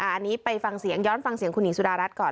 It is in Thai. อันนี้ไปฟังเสียงย้อนฟังเสียงคุณหญิงสุดารัฐก่อน